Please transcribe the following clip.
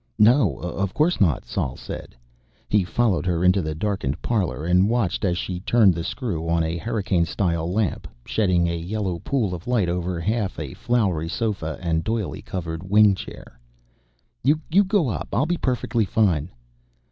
"No, of course not," Sol said. He followed her into the darkened parlor, and watched as she turned the screw on a hurricane style lamp, shedding a yellow pool of light over half a flowery sofa and a doily covered wing chair. "You go on up. I'll be perfectly fine."